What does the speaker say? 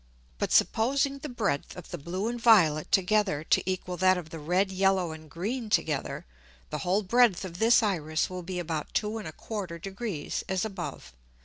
But supposing the breadth of the blue and violet together to equal that of the red, yellow and green together, the whole breadth of this Iris will be about 2 1/4 Degrees, as above.